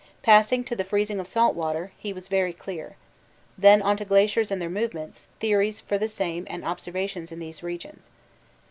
Passing to the freezing of salt water, he was not very clear. Then on to glaciers and their movements, theories for same and observations in these regions.